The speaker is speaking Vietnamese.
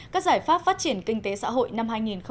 các giải pháp phát triển kinh tế xã hội năm hai nghìn một mươi bảy